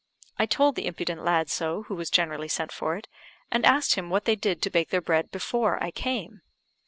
I told the impudent lad so, who was generally sent for it; and asked him what they did to bake their bread before I came.